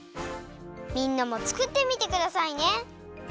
みんなもつくってみてくださいね。